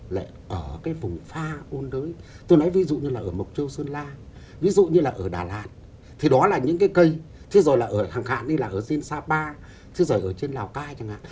lại ở cái vùng pha ôn đới tôi nói ví dụ như là ở mộc châu sơn la ví dụ như là ở đà lạt thì đó là những cái cây thế rồi là ở hàng hạn như là ở jn sapa thế rồi ở trên lào cai chẳng hạn